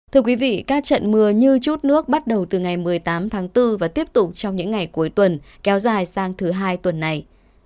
thưa quý vị các trận mưa như chút nước bắt đầu từ ngày một mươi tám tháng bốn và tiếp tục trong những ngày cuối tuần kéo dài sang thứ hai tuần này